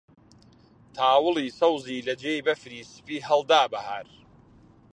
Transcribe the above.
تاوڵی سەوزی لە جێی بەفری سپی هەڵدا بەهار